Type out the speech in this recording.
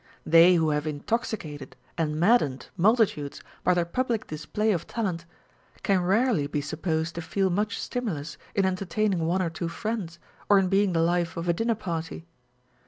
They who have intoxicated and maddened multitudes by their public display of talent, can rarely be supposed to feel much stimulus in entertaining one or two friends, or in being the life of a dinner party.